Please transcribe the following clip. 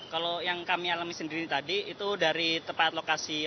kalau yang kami alami sendiri tadi itu dari tempat lokasi